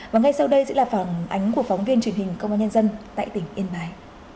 và ngay sau đây sẽ là phản ánh của phóng viên truyền hình công an nhân dân tại tỉnh yên bái